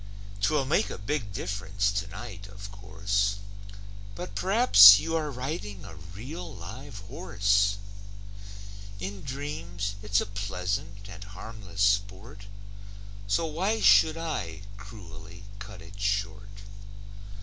'Twill make a big diff'rence tonight, of course, But p'rhaps you are riding a real live horse; In dreams, it's a pleasant and harmless sport, So why should I cruelly cut it short?